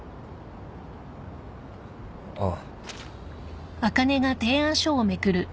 ああ。